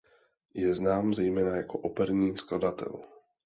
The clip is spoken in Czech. Je znám zejména jako operní skladatel.